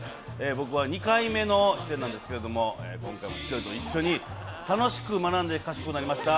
僕は２回目の出演なんですけれども今回も千鳥と一緒に楽しく学んで賢くなりました。